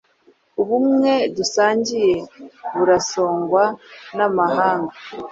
Ubumwe dusangiye burasongwa namahanga